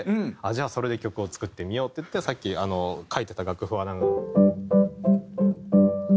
じゃあそれで曲を作ってみようっていってさっきあの書いてた楽譜。